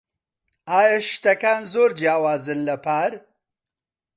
ئایا شتەکان زۆر جیاوازن لە پار؟